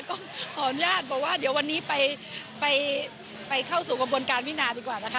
ก็ขออนุญาตบอกว่าเดี๋ยววันนี้ไปเข้าสู่กระบวนการวินาดีกว่านะคะ